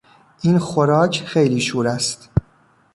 این خوراک خیلی شور است.